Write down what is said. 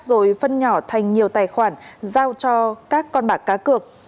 rồi phân nhỏ thành nhiều tài khoản giao cho các con bạc cá cược